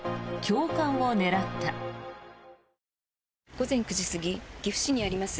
午前９時過ぎ岐阜市にあります